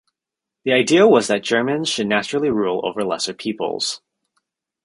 The idea was that Germans should "naturally" rule over lesser peoples.